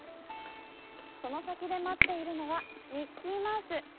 その先で待っているのはミッキーマウス。